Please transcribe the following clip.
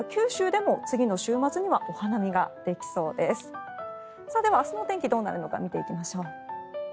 では明日の天気、どうなるのか見ていきましょう。